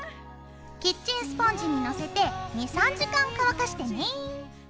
キッチンスポンジにのせて２３時間乾かしてね。